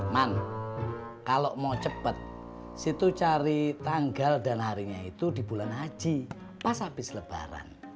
man kalau mau cepat situ cari tanggal dan harinya itu di bulan haji pas habis lebaran